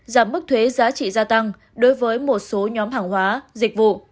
giảm mức thuế giá trị gia tăng đối với một số nhóm hàng hóa dịch vụ